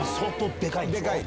でかい。